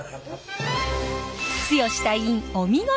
剛隊員お見事！